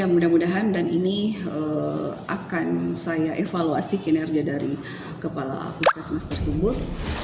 mudah mudahan dan ini akan saya evaluasi kinerja dari kepala puskesmas tersebut